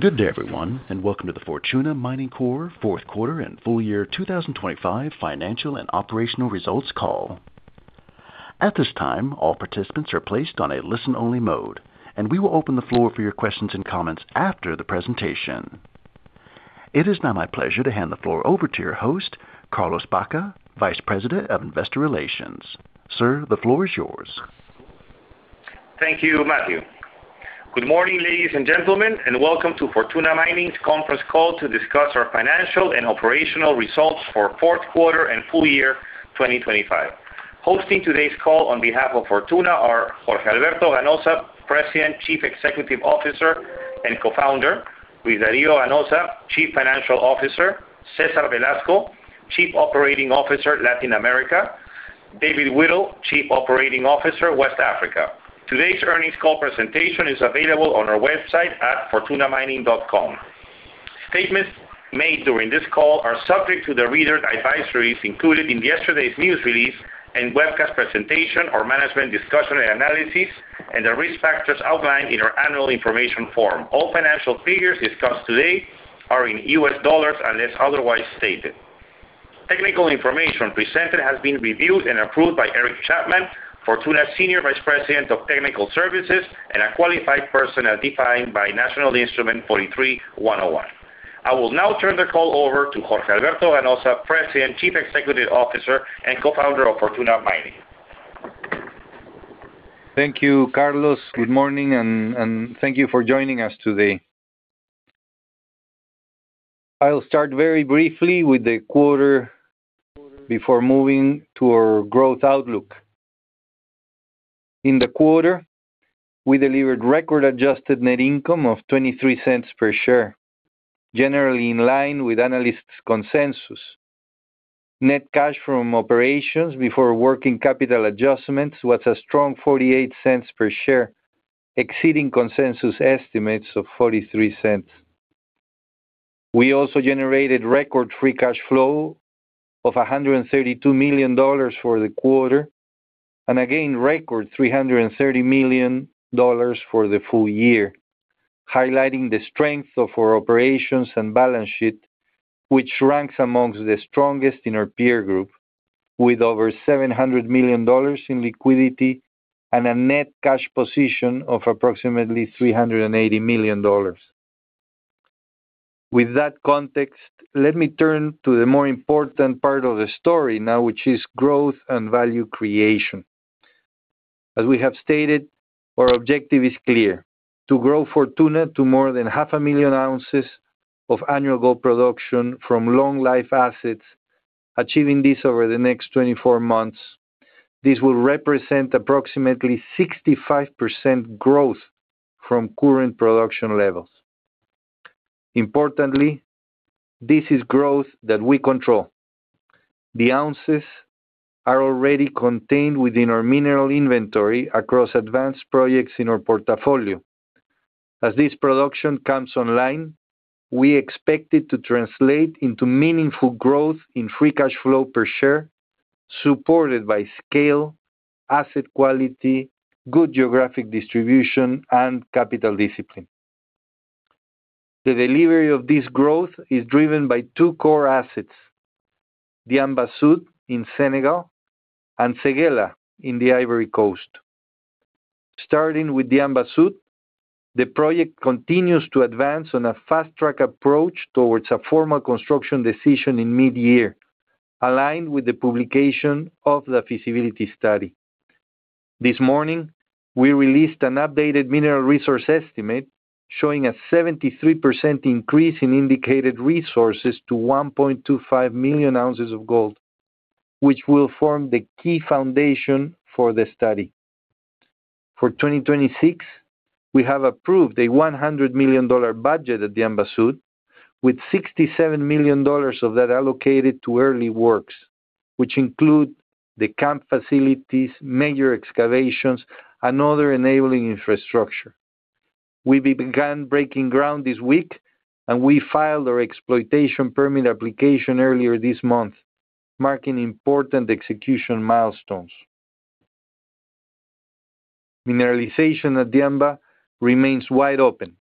Good day, everyone, and welcome to the Fortuna Mining Corp. Fourth Quarter and Full Year 2025 Financial and Operational Results Call. At this time, all participants are placed on a listen-only mode, and we will open the floor for your questions and comments after the presentation. It is now my pleasure to hand the floor over to your host, Carlos Baca, Vice President of Investor Relations. Sir, the floor is yours. Thank you, Matthew. Good morning, ladies and gentlemen, and welcome to Fortuna Mining's conference call to discuss our financial and operational results for fourth quarter and full year 2025. Hosting today's call on behalf of Fortuna are Jorge A. Ganoza, President, Chief Executive Officer, and Co-founder. Luis D. Ganoza, Chief Financial Officer. Cesar Velasco, Chief Operating Officer, Latin America. David Whittle, Chief Operating Officer, West Africa. Today's earnings call presentation is available on our website at fortunamining.com. Statements made during this call are subject to the reader advisories included in yesterday's news release and webcast presentation or management discussion and analysis and the risk factors outlined in our annual information form. All financial figures discussed today are in U.S. dollars unless otherwise stated. Technical information presented has been reviewed and approved by Eric Chapman, Fortuna Senior Vice President of Technical Services, and a qualified person as defined by National Instrument 43-101. I will now turn the call over to Jorge Alberto Ganoza, President, Chief Executive Officer, and Co-founder of Fortuna Mining. Thank you, Carlos. Good morning, and thank you for joining us today. I'll start very briefly with the quarter before moving to our growth outlook. In the quarter, we delivered record adjusted net income of $0.23 per share, generally in line with analysts' consensus. Net cash from operations before working capital adjustments was a strong $0.48 per share, exceeding consensus estimates of $0.43. We also generated record free cash flow of $132 million for the quarter, and again, record $330 million for the full year, highlighting the strength of our operations and balance sheet, which ranks amongst the strongest in our peer group, with over $700 million in liquidity and a net cash position of approximately $380 million. With that context, let me turn to the more important part of the story now, which is growth and value creation. As we have stated, our objective is clear: to grow Fortuna to more than 500,000 ounces of annual gold production from long-life assets, achieving this over the next 24 months. This will represent approximately 65% growth from current production levels. Importantly, this is growth that we control. The ounces are already contained within our mineral inventory across advanced projects in our portfolio. As this production comes online, we expect it to translate into meaningful growth in free cash flow per share, supported by scale, asset quality, good geographic distribution, and capital discipline. The delivery of this growth is driven by two core assets, Diamba Sud in Senegal and Séguéla in the Ivory Coast. Starting with Diamba Sud, the project continues to advance on a fast-track approach towards a formal construction decision in mid-year, aligned with the publication of the feasibility study. This morning, we released an updated mineral resource estimate showing a 73% increase in indicated resources to 1.25 million ounces of gold, which will form the key foundation for the study. For 2026, we have approved a $100 million budget at Diamba Sud, with $67 million of that allocated to early works, which include the camp facilities, major excavations, and other enabling infrastructure. We began breaking ground this week, and we filed our exploitation permit application earlier this month, marking important execution milestones. Mineralization at Diamba remains wide open,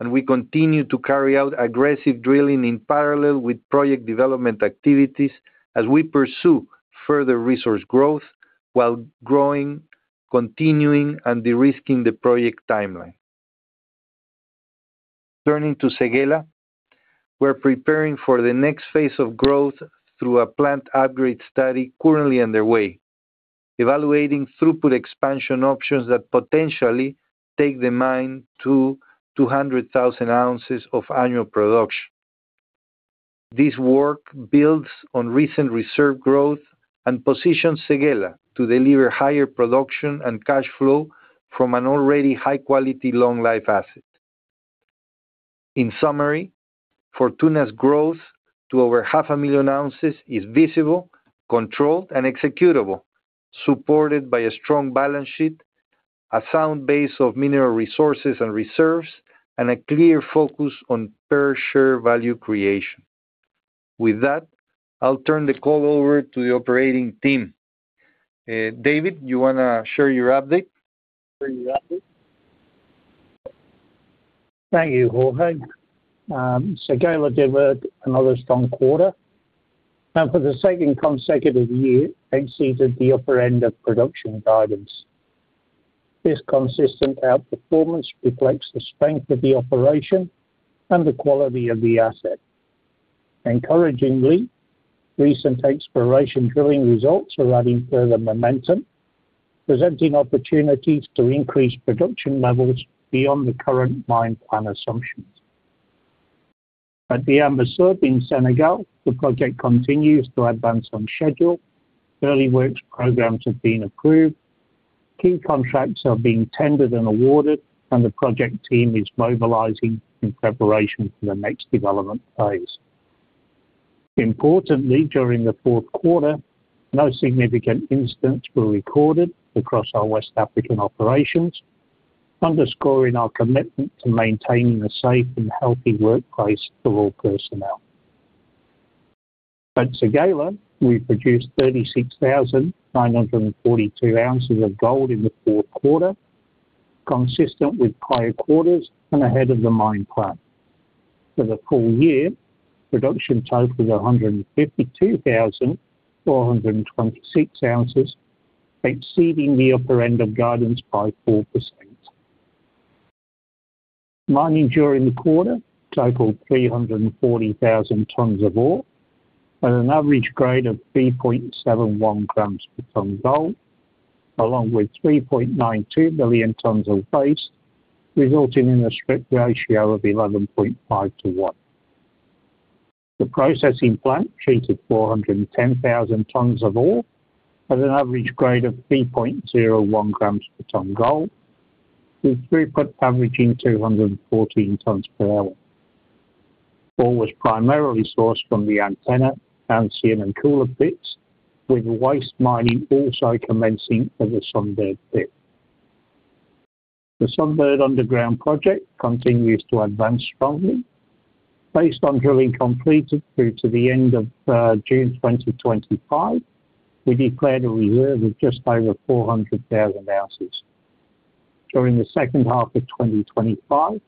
and we continue to carry out aggressive drilling in parallel with project development activities as we pursue further resource growth while growing, continuing, and de-risking the project timeline. Turning to Séguéla, we're preparing for the next phase of growth through a plant upgrade study currently underway, evaluating throughput expansion options that potentially take the mine to 200,000 ounces of annual production. This work builds on recent reserve growth and positions Séguéla to deliver higher production and cash flow from an already high-quality, long-life asset. In summary, Fortuna's growth to over 500,000 ounces is visible, controlled, and executable, supported by a strong balance sheet, a sound base of mineral resources and reserves, and a clear focus on per-share value creation.... With that, I'll turn the call over to the operating team. David, you wanna share your update? Share your update. Thank you, Jorge. Séguéla delivered another strong quarter, and for the second consecutive year, exceeded the upper end of production guidance. This consistent outperformance reflects the strength of the operation and the quality of the asset. Encouragingly, recent exploration drilling results are adding further momentum, presenting opportunities to increase production levels beyond the current mine plan assumptions. At Diamba Sud in Senegal, the project continues to advance on schedule. Early works programs have been approved. Key contracts are being tendered and awarded, and the project team is mobilizing in preparation for the next development phase. Importantly, during the fourth quarter, no significant incidents were recorded across our West African operations, underscoring our commitment to maintaining a safe and healthy workplace for all personnel. At Séguéla, we produced 36,942 ounces of gold in the fourth quarter, consistent with prior quarters and ahead of the mine plan. For the full year, production totaled 152,426 ounces, exceeding the upper end of guidance by 4%. Mining during the quarter totaled 340,000 tons of ore, at an average grade of 3.71 grams per ton gold, along with 3.92 billion tons of waste, resulting in a strip ratio of 11.5:1. The processing plant treated 410,000 tons of ore at an average grade of 3.01 grams per ton gold, with throughput averaging 214 tons per hour. Ore was primarily sourced from the Antenna, Ancien, and Koula pits, with waste mining also commencing for the Sunbird pit. The Sunbird underground project continues to advance strongly. Based on drilling completed through to the end of June 2025, we declared a reserve of just over 400,000 ounces. During the second half of 2025,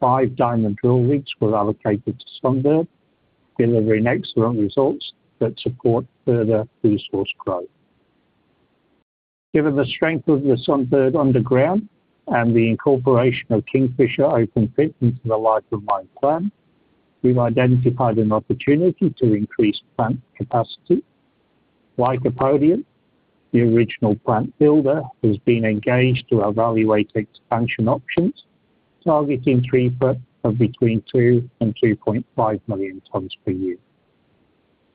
5 diamond drill rigs were allocated to Sunbird, delivering excellent results that support further resource growth. Given the strength of the Sunbird underground and the incorporation of Kingfisher open pit into the life of mine plan, we've identified an opportunity to increase plant capacity. Lycopodium, the original plant builder has been engaged to evaluate expansion options, targeting throughput of between 2 and 2.5 million tons per year.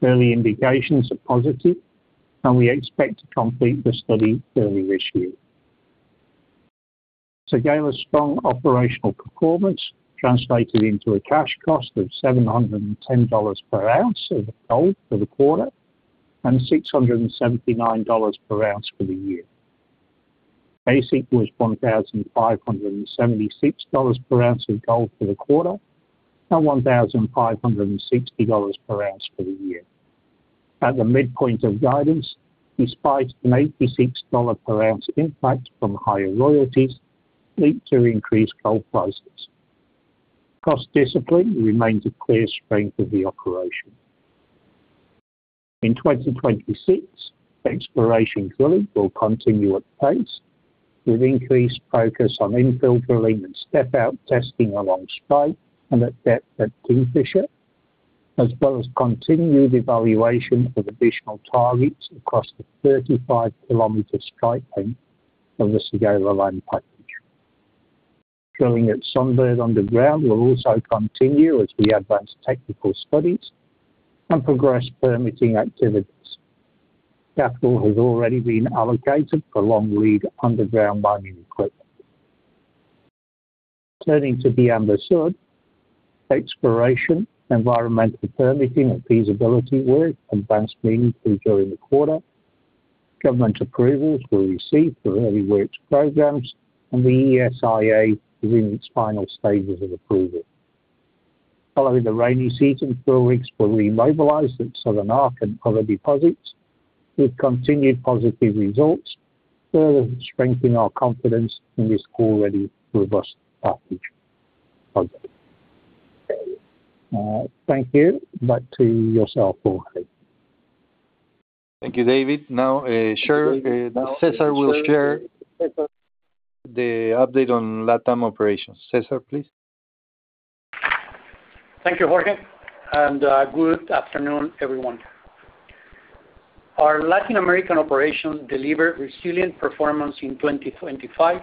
Early indications are positive, and we expect to complete the study early this year. Séguéla's strong operational performance translated into a cash cost of $710 per ounce of gold for the quarter, and $679 per ounce for the year. AISC was $1,576 per ounce of gold for the quarter, and $1,560 per ounce for the year. At the midpoint of guidance, despite an $86 per ounce impact from higher royalties, led to increased gold prices. Cost discipline remains a clear strength of the operation. In 2026, exploration drilling will continue at pace, with increased focus on infill drilling and step-out testing along strike and at depth at Kingfisher, as well as continued evaluation of additional targets across the 35-kilometer strike length of the Séguéla land package. Drilling at Sunbird underground will also continue as we advance technical studies and progress permitting activities. Capital has already been allocated for long-lead underground mining equipment. Turning to Diamba Sud, exploration, environmental permitting, and feasibility work advanced smoothly during the quarter. Government approvals were received for early works programs, and the ESIA is in its final stages of approval. Following the rainy season, drill rigs were remobilized at Southern Arc and other deposits, with continued positive results, further strengthening our confidence in this already robust package project. Thank you. Back to yourself, Jorge. Thank you, David. Now, Cesar will share the update on Latam operations. Cesar, please. Thank you, Jorge, and good afternoon, everyone. Our Latin American operation delivered resilient performance in 2025,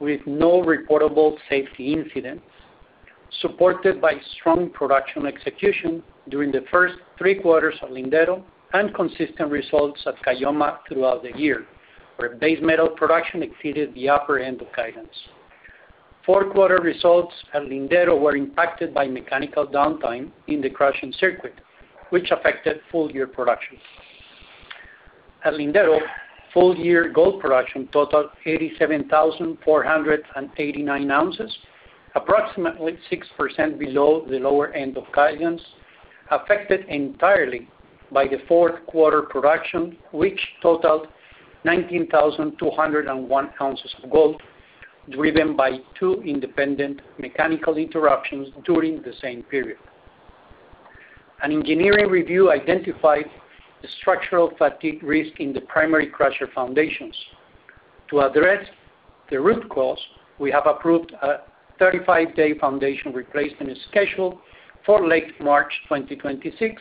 with no reportable safety incidents, supported by strong production execution during the first three quarters of Lindero and consistent results at Caylloma throughout the year, where base metal production exceeded the upper end of guidance. Fourth quarter results at Lindero were impacted by mechanical downtime in the crushing circuit, which affected full-year production. At Lindero, full year gold production totaled 87,489 ounces, approximately 6% below the lower end of guidance, affected entirely by the fourth quarter production, which totaled 19,201 ounces of gold, driven by two independent mechanical interruptions during the same period. An engineering review identified the structural fatigue risk in the primary crusher foundations. To address the root cause, we have approved a 35-day foundation replacement schedule for late March 2026,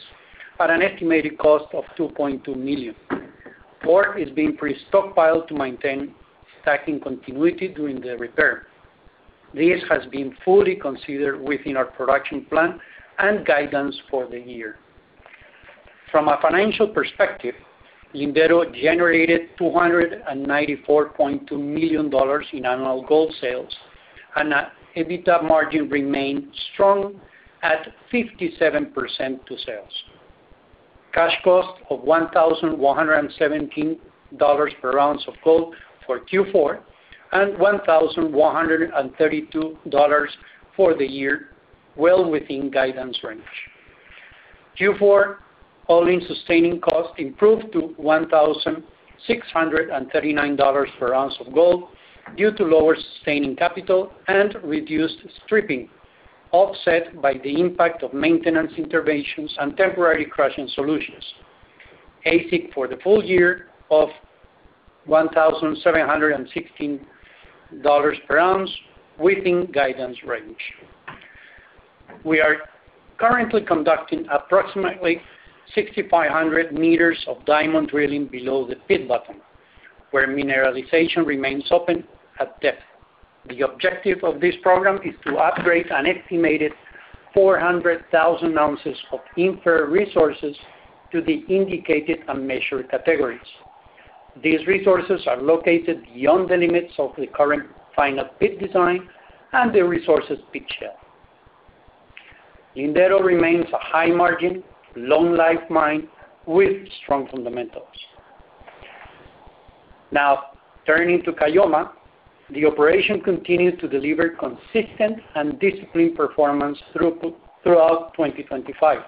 at an estimated cost of $2.2 million. Ore is being pre-stockpiled to maintain stacking continuity during the repair. This has been fully considered within our production plan and guidance for the year. From a financial perspective, Lindero generated $294.2 million in annual gold sales and an EBITDA margin remained strong at 57% to sales. Cash cost of $1,117 per ounce of gold for Q4, and $1,132 for the year, well within guidance range. Q4, all-in sustaining costs improved to $1,639 per ounce of gold due to lower sustaining capital and reduced stripping, offset by the impact of maintenance interventions and temporary crushing solutions. AISC for the full year of $1,716 per ounce within guidance range. We are currently conducting approximately 6,500 meters of diamond drilling below the pit bottom, where mineralization remains open at depth. The objective of this program is to upgrade an estimated 400,000 ounces of inferred resources to the indicated and measured categories. These resources are located beyond the limits of the current final pit design and the resources pit shell. Lindero remains a high-margin, long-life mine with strong fundamentals. Now turning to Caylloma, the operation continued to deliver consistent and disciplined performance throughout 2025.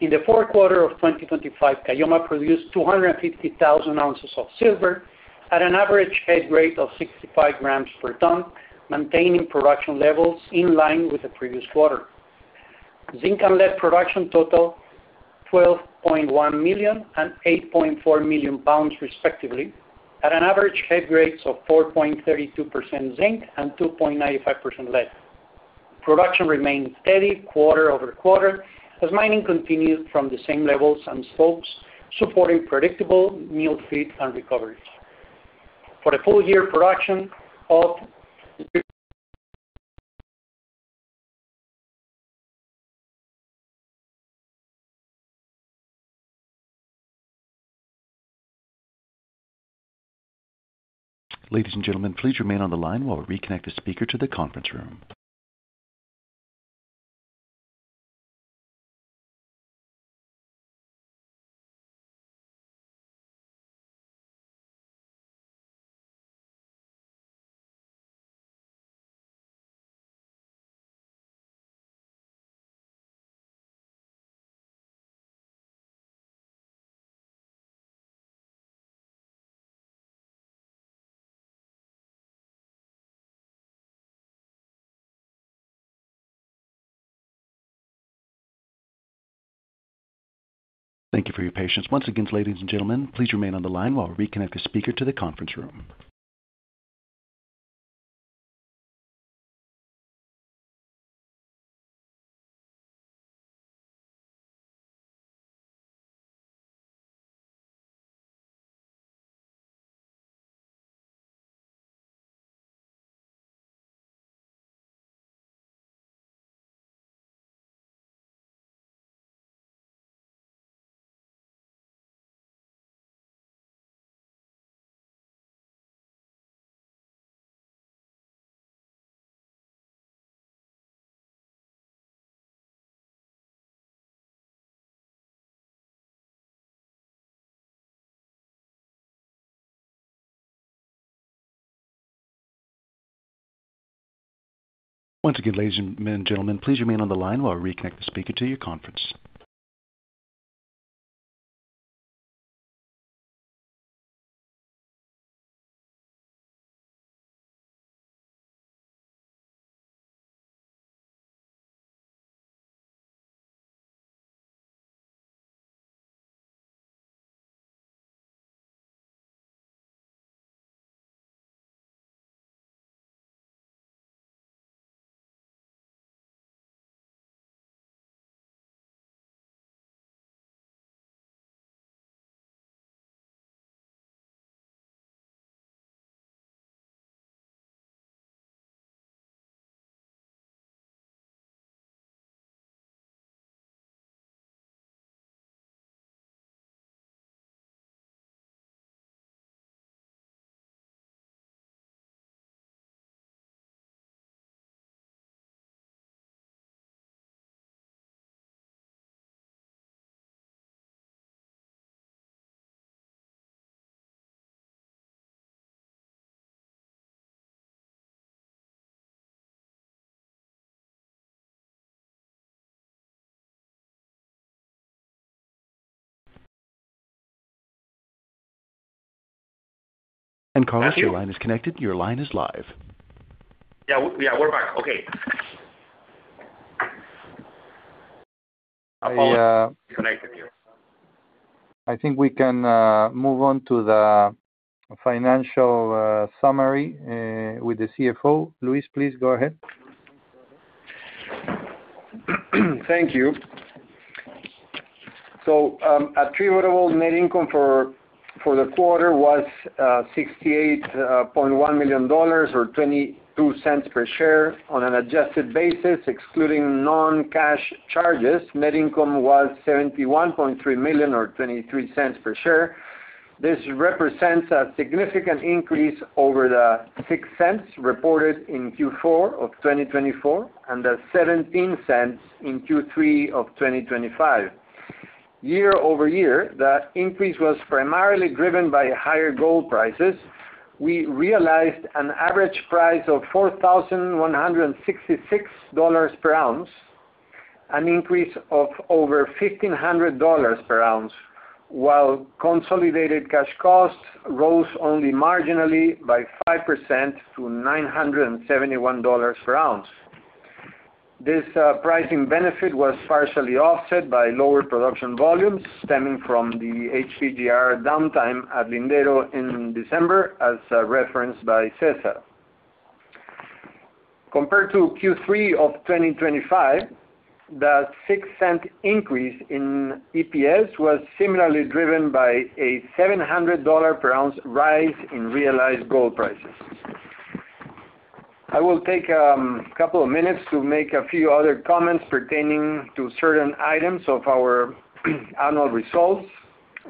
In the fourth quarter of 2025, Caylloma produced 250,000 ounces of silver at an average head grade of 65 grams per ton, maintaining production levels in line with the previous quarter. Zinc and lead production totaled 12.1 million and 8.4 million pounds, respectively, at an average head grades of 4.32% zinc and 2.95% lead. Production remained steady quarter-over-quarter as mining continued from the same levels and stocks, supporting predictable mill feed and recoveries. For the full year production of- Ladies and gentlemen, please remain on the line while we reconnect the speaker to the conference room. Thank you for your patience. Once again, ladies and gentlemen, please remain on the line while we reconnect the speaker to the conference room. Once again, ladies and gentlemen, please remain on the line while we reconnect the speaker to your conference... And Carlos, your line is connected. Your line is live. Yeah, yeah, we're back. Okay. I apologize. Connected here. I think we can move on to the financial summary with the CFO. Luis, please go ahead. Thank you. So, attributable net income for the quarter was $68.1 million, or $0.22 per share on an adjusted basis, excluding non-cash charges. Net income was $71.3 million or $0.23 per share. This represents a significant increase over the $0.06 reported in Q4 of 2024, and the $0.17 in Q3 of 2025. Year-over-year, the increase was primarily driven by higher gold prices. We realized an average price of $4,166 per ounce, an increase of over $1,500 per ounce, while consolidated cash costs rose only marginally by 5% to $971 per ounce. This pricing benefit was partially offset by lower production volumes stemming from the HPGR downtime at Lindero in December, as referenced by Cesar. Compared to Q3 of 2025, the $0.06 increase in EPS was similarly driven by a $700 per ounce rise in realized gold prices. I will take a couple of minutes to make a few other comments pertaining to certain items of our annual results.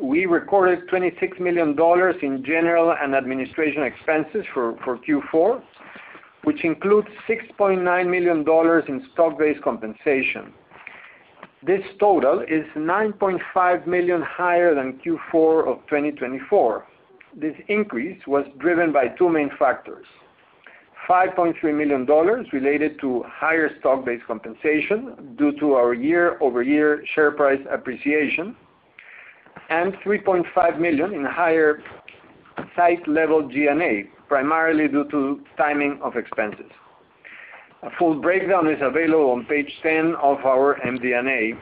We recorded $26 million in general and administration expenses for Q4, which includes $6.9 million in stock-based compensation. This total is $9.5 million higher than Q4 of 2024. This increase was driven by two main factors: $5.3 million related to higher stock-based compensation due to our year-over-year share price appreciation, and $3.5 million in higher site-level G&A, primarily due to timing of expenses. A full breakdown is available on page 10 of our MD&A.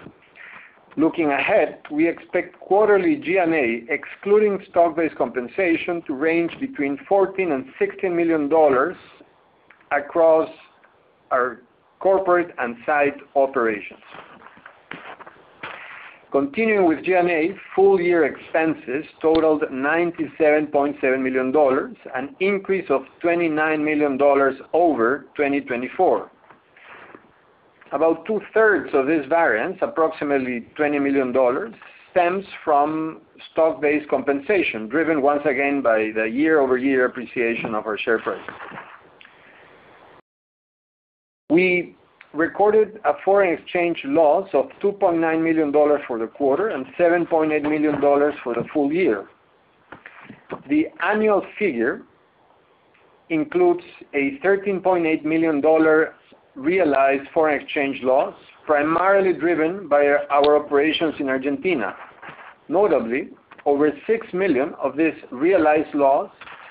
Looking ahead, we expect quarterly G&A, excluding stock-based compensation, to range between $14 million and $16 million across our corporate and site operations. Continuing with G&A, full year expenses totaled $97.7 million, an increase of $29 million over 2024. About two-thirds of this variance, approximately $20 million, stems from stock-based compensation, driven once again by the year-over-year appreciation of our share price. We recorded a foreign exchange loss of $2.9 million for the quarter and $7.8 million for the full year. The annual figure includes a $13.8 million realized foreign exchange loss, primarily driven by our operations in Argentina. Notably, over $6 million of this realized loss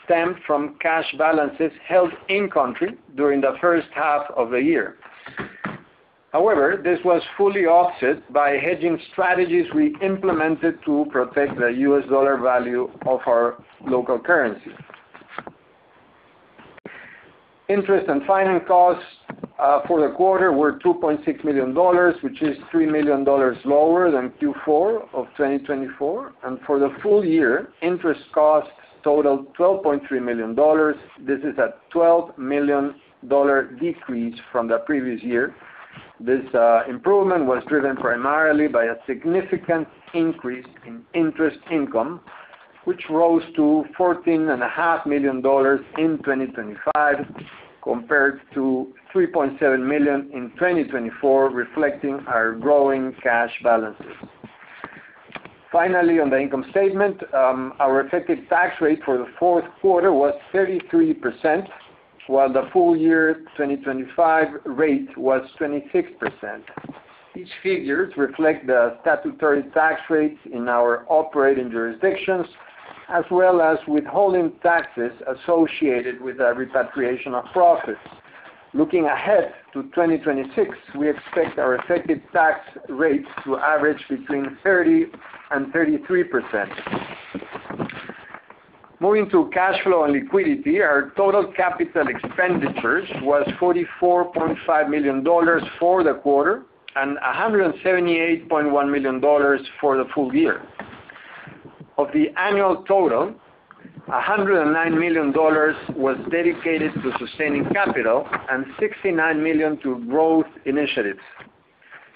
stemmed from cash balances held in-country during the first half of the year. However, this was fully offset by hedging strategies we implemented to protect the US dollar value of our local currency. Interest and financing costs for the quarter were $2.6 million, which is $3 million lower than Q4 of 2024. And for the full year, interest costs totaled $12.3 million. This is a $12 million decrease from the previous year. This improvement was driven primarily by a significant increase in interest income, which rose to $14.5 million in 2025, compared to $3.7 million in 2024, reflecting our growing cash balances. Finally, on the income statement, our effective tax rate for the fourth quarter was 33%, while the full year 2025 rate was 26%. These figures reflect the statutory tax rates in our operating jurisdictions, as well as withholding taxes associated with the repatriation of profits. Looking ahead to 2026, we expect our effective tax rates to average between 30% and 33%. Moving to cash flow and liquidity, our total capital expenditures was $44.5 million for the quarter and $178.1 million for the full year. Of the annual total, $109 million was dedicated to sustaining capital and $69 million to growth initiatives.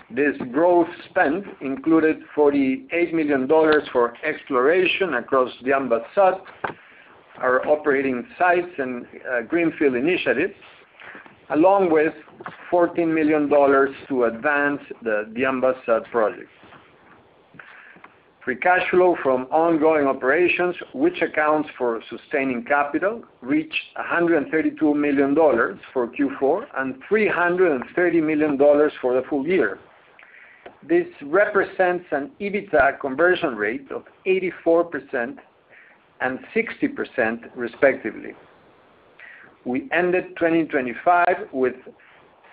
This growth spend included $48 million for exploration across our operating sites and greenfield initiatives, along with $14 million to advance the Diamba Sud project. Free cash flow from ongoing operations, which accounts for sustaining capital, reached $132 million for Q4 and $330 million for the full year. This represents an EBITDA conversion rate of 84% and 60%, respectively. We ended 2025 with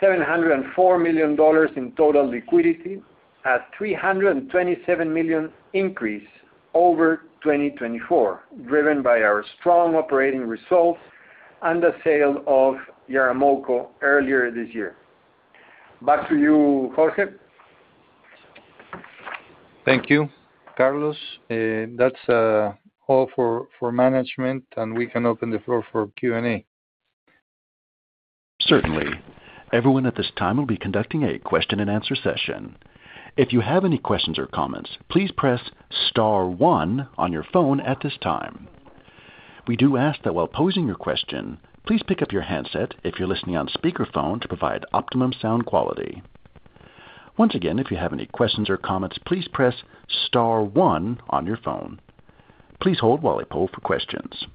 $704 million in total liquidity, a $327 million increase over 2024, driven by our strong operating results and the sale of Yaramoko earlier this year. Back to you, Jorge. Thank you, Carlos. That's all for management, and we can open the floor for Q&A. Certainly. Everyone at this time will be conducting a question-and-answer session. If you have any questions or comments, please press star one on your phone at this time. We do ask that while posing your question, please pick up your handset if you're listening on speakerphone to provide optimum sound quality. Once again, if you have any questions or comments, please press star one on your phone. Please hold while I poll for questions.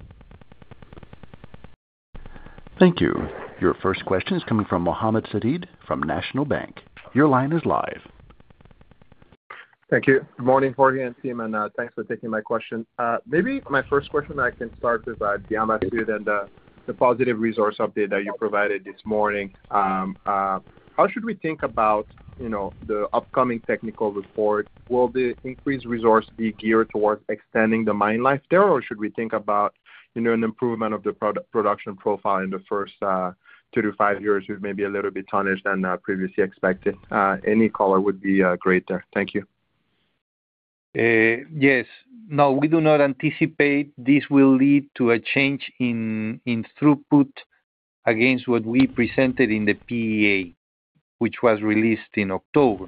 Thank you. Your first question is coming from Mohamed Sidibé from National Bank Financial. Your line is live. Thank you. Morning, Jorge and team, and thanks for taking my question. Maybe my first question I can start with Diamba Sud and the positive resource update that you provided this morning. How should we think about, you know, the upcoming technical report? Will the increased resource be geared towards extending the mine life there, or should we think about, you know, an improvement of the production profile in the first two to five years with maybe a little bit tonnage than previously expected? Any color would be great there. Thank you. Yes. No, we do not anticipate this will lead to a change in throughput against what we presented in the PEA, which was released in October.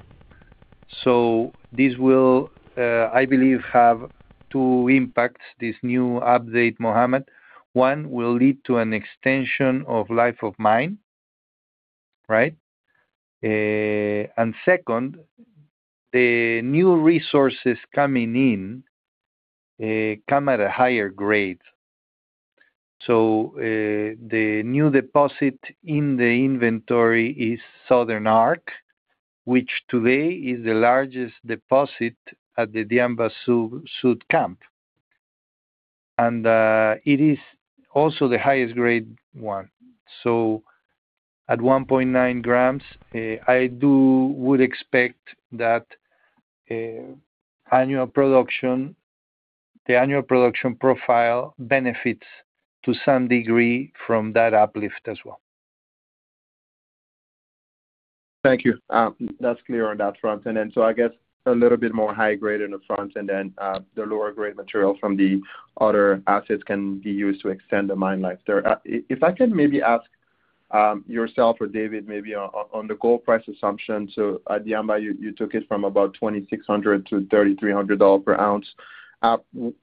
So this will, I believe, have two impacts, this new update, Mohamed. One, will lead to an extension of life of mine, right? And second, the new resources coming in come at a higher grade. So, the new deposit in the inventory is Southern Arc, which today is the largest deposit at the Diamba Sud camp. And, it is also the highest grade one. So at 1.9 grams, I do would expect that, annual production - the annual production profile benefits to some degree from that uplift as well. Thank you. That's clear on that front. I guess a little bit more high grade in the front, and then the lower grade material from the other assets can be used to extend the mine life there. If I can maybe ask yourself or David, maybe on the gold price assumption. At Diamba, you took it from about $2,600-$3,300 per ounce.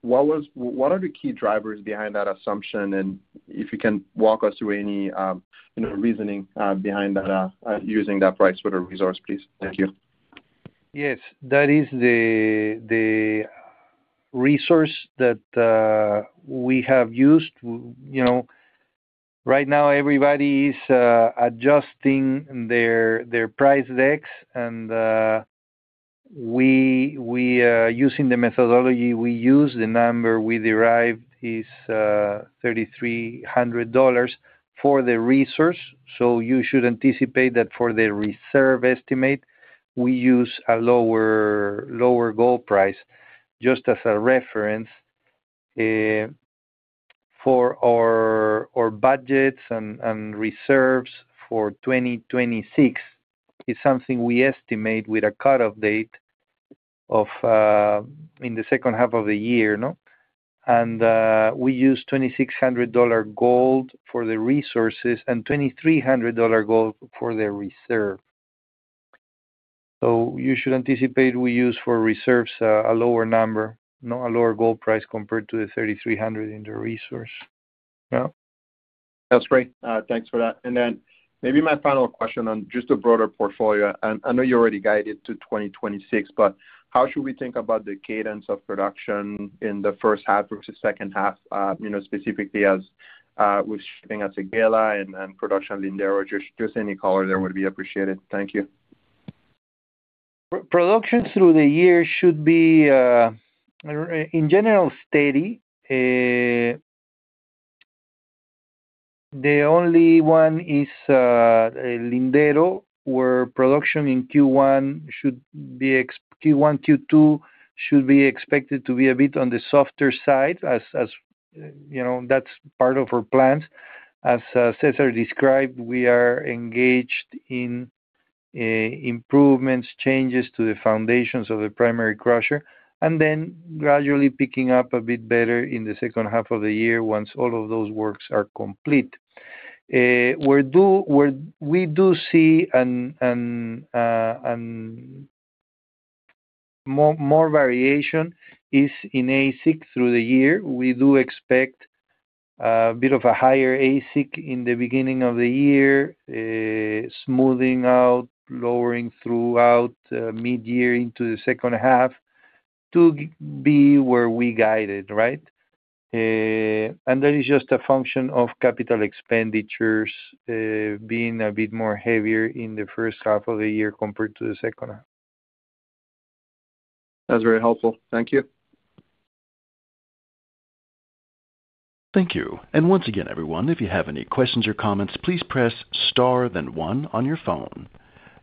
What are the key drivers behind that assumption? And if you can walk us through any, you know, reasoning behind that using that price for the resource, please. Thank you. Yes. That is the resource that we have used. You know, right now everybody is adjusting their price decks, and we using the methodology we use, the number we derived is $3,300 for the resource. So you should anticipate that for the reserve estimate, we use a lower gold price. Just as a reference, for our budgets and reserves for 2026, it's something we estimate with a cut-off date of in the second half of the year, no? And we use $2,600 gold for the resources and $2,300 gold for the reserve. So you should anticipate we use for reserves a lower number, no, a lower gold price compared to the $3,300 in the resource. Yeah. That's great. Thanks for that. And then maybe my final question on just a broader portfolio. And I know you already guided to 2026, but how should we think about the cadence of production in the first half versus second half? You know, specifically as with shipping at Séguéla and production at Lindero. Just any color there would be appreciated. Thank you. Production through the year should be, in general, steady. The only one is Lindero, where production in Q1, Q2 should be expected to be a bit on the softer side, as you know, that's part of our plans. As Cesar described, we are engaged in improvements, changes to the foundations of the primary crusher, and then gradually picking up a bit better in the second half of the year once all of those works are complete. We do see more variation in AISC through the year. We do expect a bit of a higher AISC in the beginning of the year, smoothing out, lowering throughout mid-year into the second half to be where we guided, right? That is just a function of capital expenditures being a bit more heavier in the first half of the year compared to the second half. That's very helpful. Thank you. Thank you. Once again, everyone, if you have any questions or comments, please press Star, then one on your phone.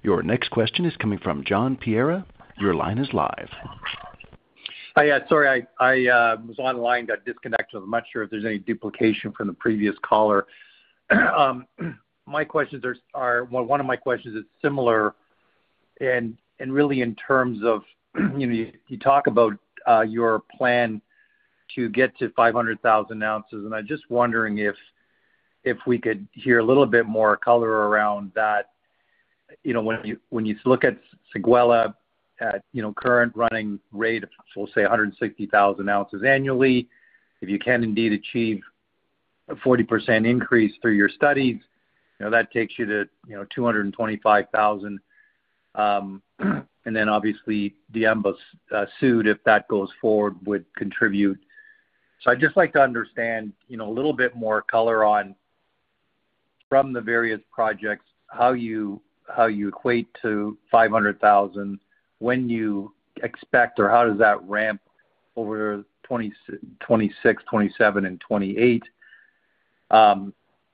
Your next question is coming from John Piera. Your line is live. Hi. Yeah, sorry, I was online, got disconnected. I'm not sure if there's any duplication from the previous caller. My questions are—well, one of my questions is similar and really in terms of, you know, you talk about your plan to get to 500,000 ounces, and I'm just wondering if we could hear a little bit more color around that. You know, when you look at Séguéla at, you know, current running rate of, so we'll say 160,000 ounces annually, if you can indeed achieve a 40% increase through your studies, you know, that takes you to 225,000. And then obviously, Diamba Sud, if that goes forward, would contribute. So I'd just like to understand, you know, a little bit more color on from the various projects, how you, how you equate to 500,000, when you expect, or how does that ramp over 2026, 2027 and 2028?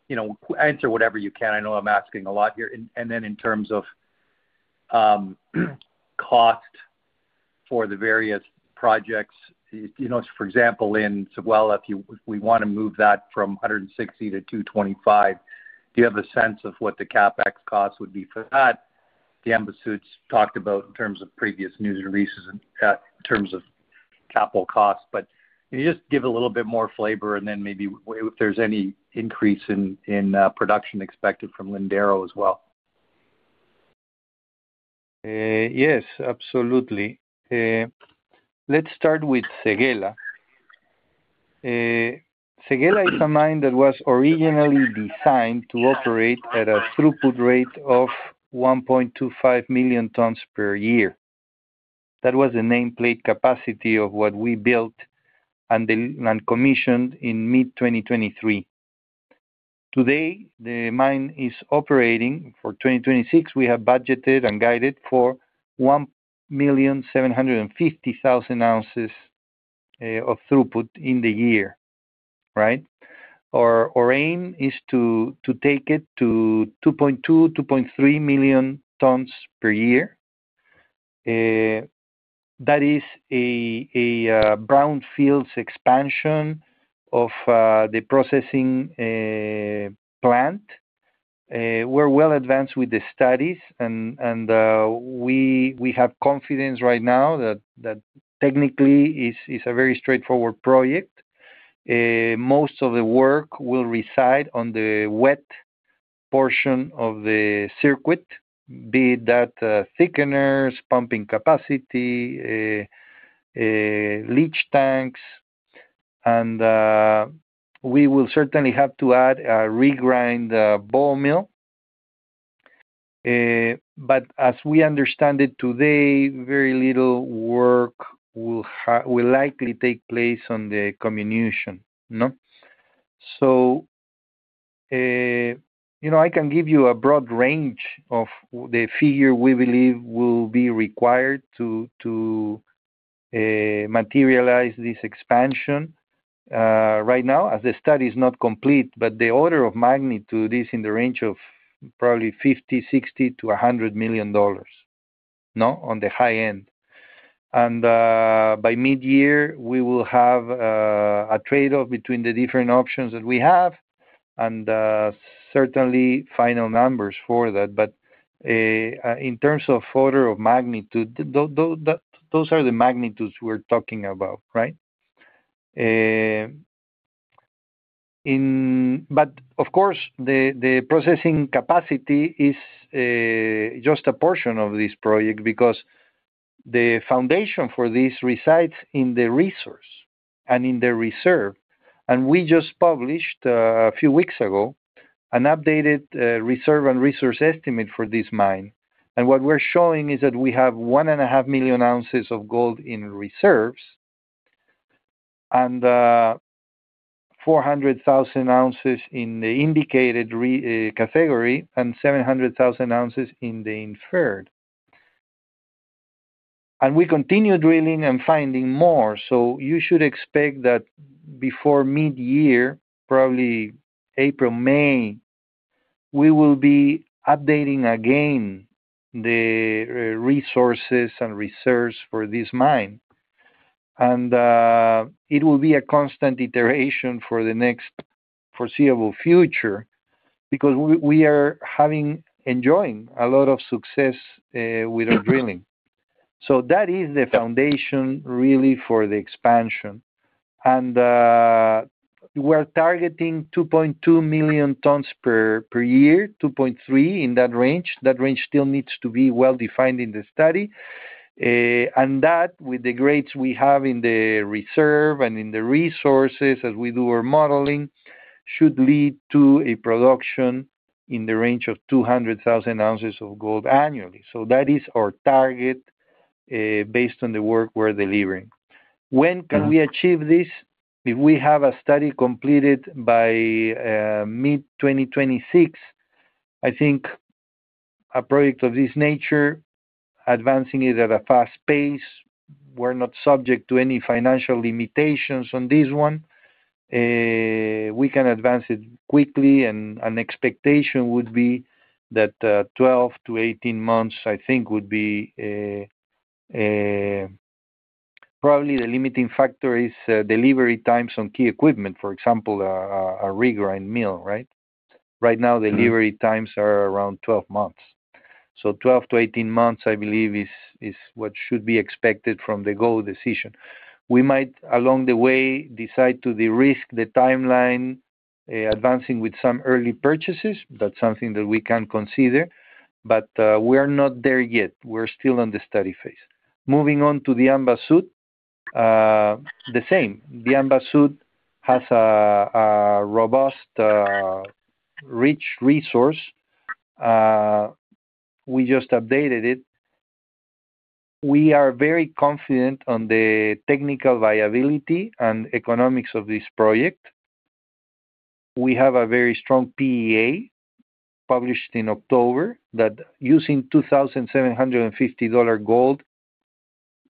You know, answer whatever you can. I know I'm asking a lot here. And then in terms of cost for the various projects, you know, for example, in Séguéla, if you, we want to move that from 160 to 225, do you have a sense of what the CapEx cost would be for that? Diamba Sud's talked about in terms of previous news releases in terms of capital costs. But can you just give a little bit more flavor and then maybe if there's any increase in production expected from Lindero as well? Yes, absolutely. Let's start with Séguéla. Séguéla is a mine that was originally designed to operate at a throughput rate of 1.25 million tons per year. That was the nameplate capacity of what we built and then and commissioned in mid-2023. Today, the mine is operating. For 2026, we have budgeted and guided for 1,750,000 ounces of throughput in the year, right? Our aim is to take it to 2.2-2.3 million tons per year. That is a brownfields expansion of the processing plant. We're well advanced with the studies and we have confidence right now that technically is a very straightforward project. Most of the work will reside on the wet portion of the circuit, be that thickeners, pumping capacity, leach tanks, and we will certainly have to add a regrind ball mill. But as we understand it today, very little work will likely take place on the comminution, no? So, you know, I can give you a broad range of the figure we believe will be required to materialize this expansion. Right now, as the study is not complete, but the order of magnitude is in the range of probably $50 million-$60 million to $100 million, no? On the high end. And by mid-year, we will have a trade-off between the different options that we have and certainly final numbers for that. In terms of order of magnitude, that, those are the magnitudes we're talking about, right? Of course, the processing capacity is just a portion of this project because the foundation for this resides in the resource and in the reserve. We just published a few weeks ago an updated reserve and resource estimate for this mine. And what we're showing is that we have 1.5 million ounces of gold in reserves and 400,000 ounces in the indicated resource category and 700,000 ounces in the inferred. And we continue drilling and finding more. You should expect that before mid-year, probably April, May, we will be updating again the resources and reserves for this mine. It will be a constant iteration for the next foreseeable future because we are having and enjoying a lot of success with our drilling. So that is the foundation, really, for the expansion, and we're targeting 2.2 million tons per year, 2.3 in that range. That range still needs to be well-defined in the study. And that, with the grades we have in the reserve and in the resources as we do our modeling, should lead to a production in the range of 200,000 ounces of gold annually. So that is our target, based on the work we're delivering. When can we achieve this? If we have a study completed by mid-2026, I think a project of this nature, advancing it at a fast pace, we're not subject to any financial limitations on this one. We can advance it quickly, and an expectation would be that 12-18 months, I think, would be. Probably the limiting factor is delivery times on key equipment, for example, a regrind mill, right? Right now, delivery times are around 12 months. So 12-18 months, I believe, is what should be expected from the go decision. We might, along the way, decide to de-risk the timeline, advancing with some early purchases. That's something that we can consider, but we're not there yet. We're still in the study phase. Moving on to the Diamba Sud, the same. The Diamba Sud has a robust, rich resource. We just updated it. We are very confident on the technical viability and economics of this project. We have a very strong PEA published in October, that using $2,750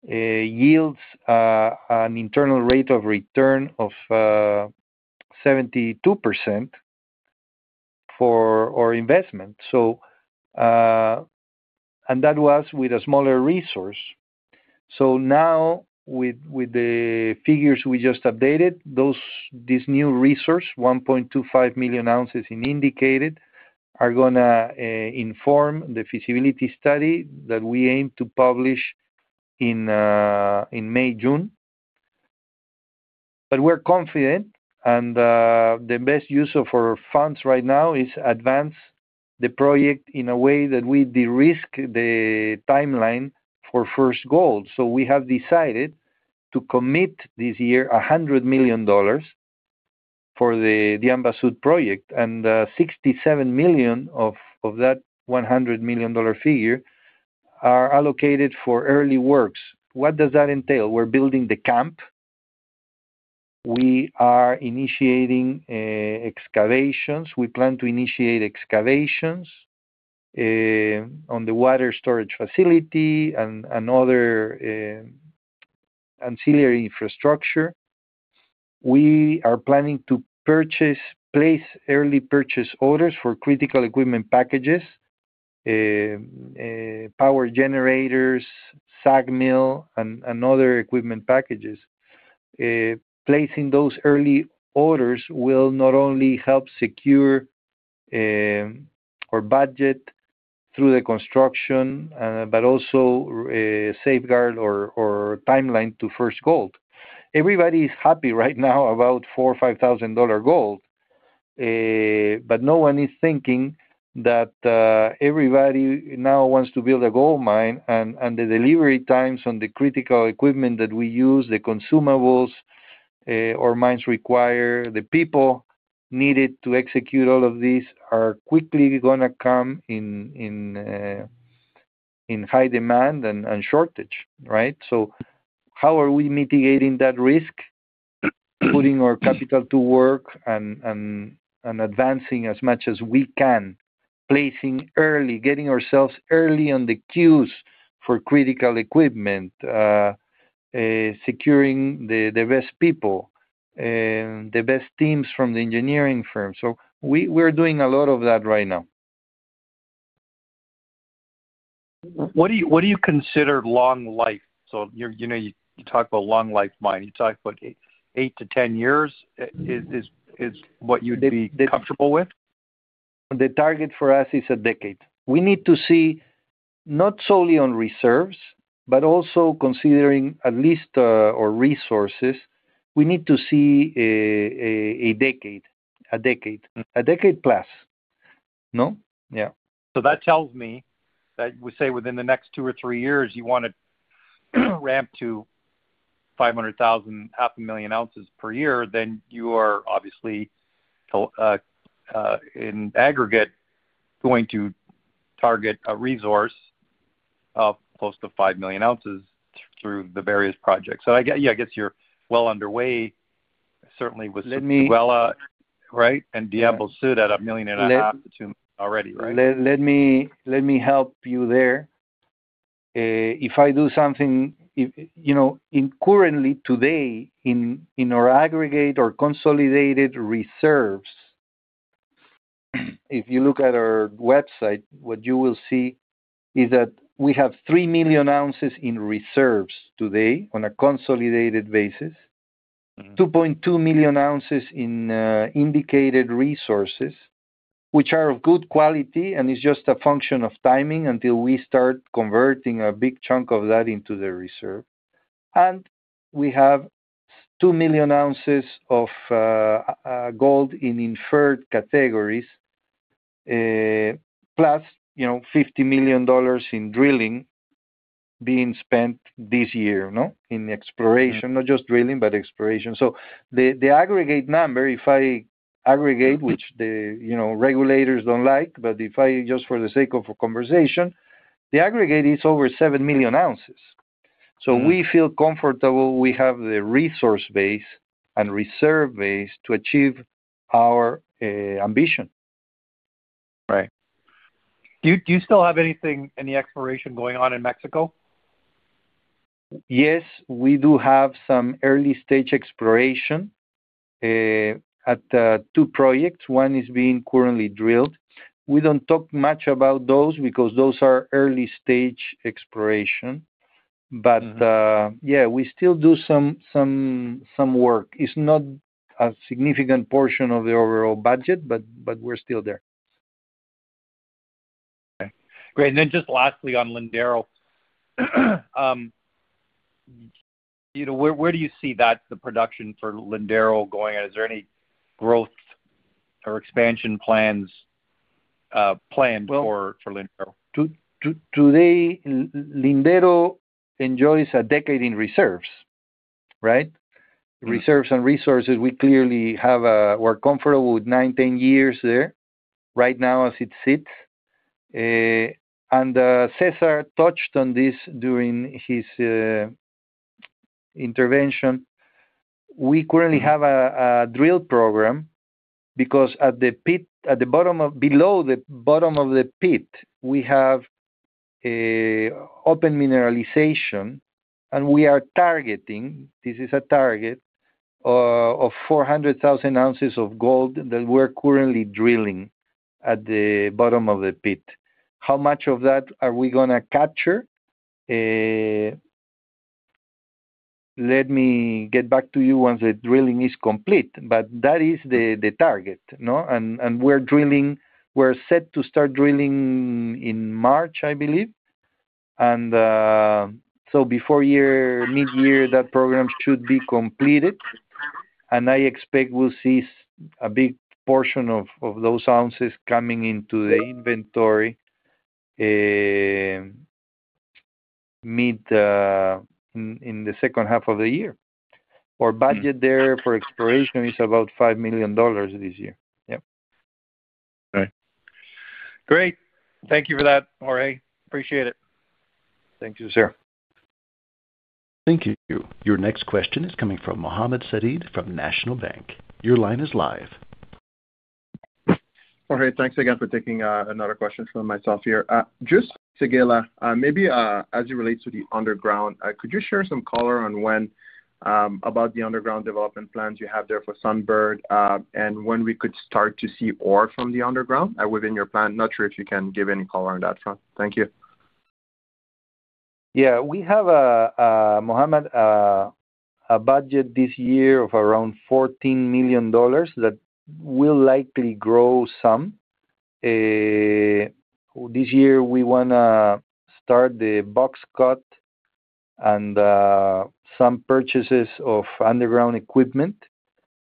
gold, yields an internal rate of return of 72% for our investment. And that was with a smaller resource. So now, with the figures we just updated, this new resource, 1.25 million ounces in indicated, are gonna inform the feasibility study that we aim to publish in May, June. But we're confident, and the best use of our funds right now is advance the project in a way that we de-risk the timeline for first gold. So we have decided to commit this year $100 million for the Diamba Sud project, and $67 million of that $100 million figure are allocated for early works. What does that entail? We're building the camp. We are initiating excavations. We plan to initiate excavations on the water storage facility and other ancillary infrastructure. We are planning to place early purchase orders for critical equipment packages, power generators, sag mill, and other equipment packages. Placing those early orders will not only help secure our budget through the construction, but also safeguard our timeline to first gold. Everybody is happy right now about $4,000-$5,000 gold, but no one is thinking that everybody now wants to build a gold mine, and the delivery times on the critical equipment that we use, the consumables our mines require, the people needed to execute all of these, are quickly gonna come in high demand and shortage, right? So how are we mitigating that risk? Putting our capital to work and advancing as much as we can, placing early, getting ourselves early on the queues for critical equipment, securing the best people, the best teams from the engineering firm. So we're doing a lot of that right now. What do you consider long life? So you're, you know, you talk about long life mining. You talk about 8-10 years, is what you'd be comfortable with? The target for us is a decade. We need to see not solely on reserves, but also considering at least our resources. We need to see a decade. A decade. A decade plus. No? Yeah. So that tells me that, we say within the next 2 or 3 years, you want to ramp to 500,000, half a million ounces per year, then you are obviously, in aggregate, going to target a resource of close to 5 million ounces through the various projects. So I get... Yeah, I guess you're well underway, certainly with- Let me- Séguéla, right, and the Diamba Sud at 1.5 million too already, right? Let me help you there. If I do something, if... You know, in currently today, in our aggregate or consolidated reserves, if you look at our website, what you will see is that we have 3 million ounces in reserves today on a consolidated basis. Mm-hmm. 2.2 million ounces in indicated resources, which are of good quality, and it's just a function of timing until we start converting a big chunk of that into the reserve. And we have 2 million ounces of gold in inferred categories, plus, you know, $50 million in drilling being spent this year, no? In exploration. Not just drilling, but exploration. So the aggregate number, if I aggregate, which the, you know, regulators don't like, but if I just for the sake of conversation, the aggregate is over 7 million ounces. So we feel comfortable we have the resource base and reserve base to achieve our ambition. Right. Do you still have anything, any exploration going on in Mexico? Yes, we do have some early-stage exploration at two projects. One is being currently drilled. We don't talk much about those because those are early-stage exploration. But, yeah, we still do some work. It's not a significant portion of the overall budget, but we're still there. Okay, great. And then just lastly, on Lindero, you know, where, where do you see that the production for Lindero going? Is there any growth or expansion plans planned for Lindero? Well, today, Lindero enjoys a decade in reserves, right? Reserves and resources, we clearly have. We're comfortable with nine, 10 years there right now as it sits. Cesar touched on this during his intervention. We currently have a drill program because at the bottom of the pit, below the bottom of the pit, we have an open mineralization, and we are targeting, this is a target, of 400,000 ounces of gold that we're currently drilling at the bottom of the pit. How much of that are we gonna capture? Let me get back to you once the drilling is complete, but that is the target, no? And we're drilling. We're set to start drilling in March, I believe. And so before year, mid-year, that program should be completed, and I expect we'll see a big portion of those ounces coming into the inventory, mid, in the second half of the year. Our budget there for exploration is about $5 million this year. Yep. Right. Great. Thank you for that, Jorge. Appreciate it. Thank you, sir. Thank you. Your next question is coming from Mohamed Sidibé from National Bank Financial. Your line is live. Jorge, thanks again for taking another question from myself here. Just to follow up, maybe, as it relates to the underground, could you share some color on when about the underground development plans you have there for Sunbird, and when we could start to see ore from the underground within your plan? Not sure if you can give any color on that front. Thank you. Yeah. We have a, Mohamed, a budget this year of around $14 million that will likely grow some. This year we wanna start the box cut and some purchases of underground equipment.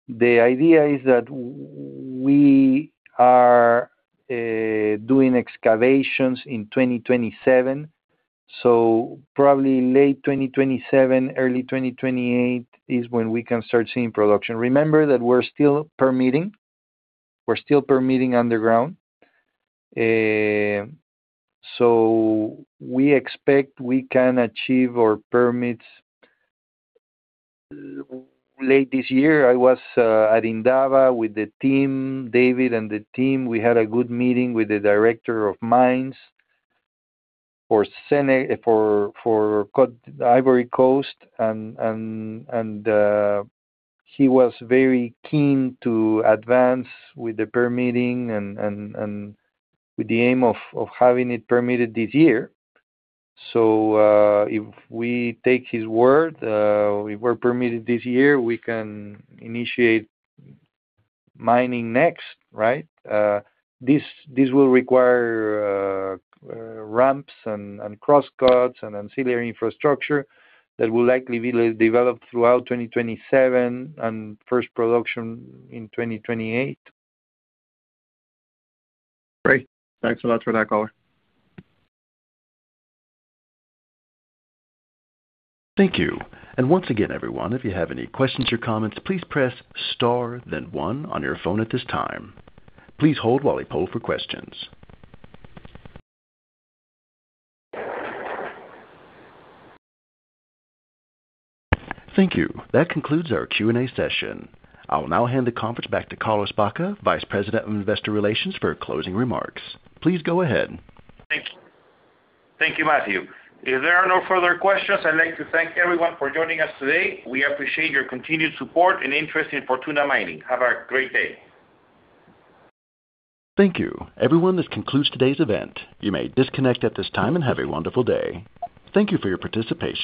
The idea is that we are doing excavations in 2027, so probably late 2027, early 2028 is when we can start seeing production. Remember that we're still permitting, we're still permitting underground. So we expect we can achieve our permits late this year. I was at Indaba with the team, David and the team, we had a good meeting with the director of mines for Côte d'Ivoire, and he was very keen to advance with the permitting and with the aim of having it permitted this year. If we take his word, if we're permitted this year, we can initiate mining next, right? This will require ramps and cross cuts and ancillary infrastructure that will likely be developed throughout 2027 and first production in 2028. Great. Thanks a lot for that color. Thank you. Once again, everyone, if you have any questions or comments, please press star, then one on your phone at this time. Please hold while we poll for questions. Thank you. That concludes our Q&A session. I'll now hand the conference back to Carlos Baca, Vice President of Investor Relations, for closing remarks. Please go ahead. Thank you. Thank you, Matthew. If there are no further questions, I'd like to thank everyone for joining us today. We appreciate your continued support and interest in Fortuna Mining. Have a great day. Thank you. Everyone, this concludes today's event. You may disconnect at this time and have a wonderful day. Thank you for your participation.